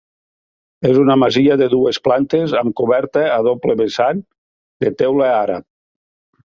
És una masia de dues plantes amb coberta a doble vessant de teula àrab.